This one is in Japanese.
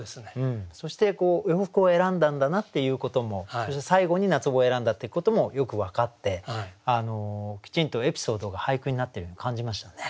そして洋服を選んだんだなっていうこともそして最後に夏帽を選んだってこともよく分かってきちんとエピソードが俳句になっているように感じましたね。